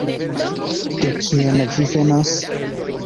De kien vi venas?